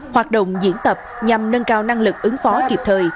hoạt động diễn tập nhằm nâng cao năng lực ứng phó kịp thời